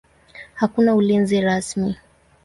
Hakuna ulinzi rasmi.